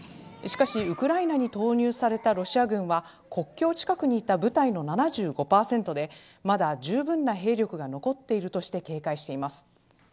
しかし、ウクライナに投入されたロシア軍は国境近くにいた部隊の７５％でまだじゅうぶんな兵力が残っているとして警戒しています。